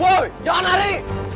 woi jangan lari